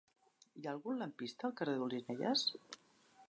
Hi ha algun lampista al carrer d'Olzinelles?